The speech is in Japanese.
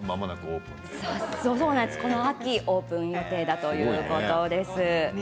この秋オープン予定だということです。